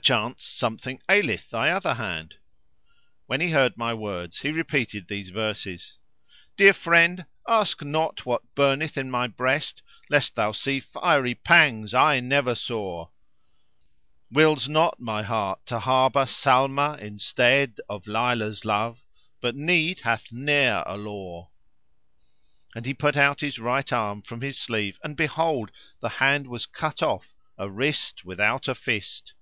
Perchance something aileth thy other hand?" When he heard my words, he repeated these verses:— "Dear friend, ask not what burneth in my breast, * Lest thou see fiery pangs eye never saw: Wills not my heart to harbour Salma in stead * Of Layla's[FN#517] love, but need hath ne'er a law!" And he put out his right arm from his sleeve and behold, the hand was cut off, a wrist without a fist.